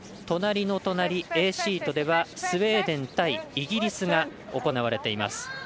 隣の隣Ａシートではスウェーデン対イギリスが行われています。